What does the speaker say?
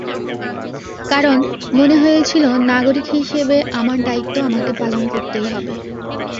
কারণ, মনে হয়েছিল, নাগরিক হিসেবে আমার দায়িত্ব আমাকে পালন করতেই হবে।